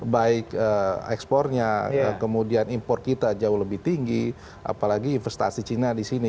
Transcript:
baik ekspornya kemudian impor kita jauh lebih tinggi apalagi investasi china disini